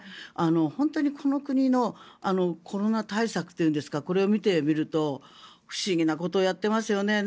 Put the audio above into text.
本当にこの国のコロナ対策というんですかこれを見てみると不思議なことをやってますよね。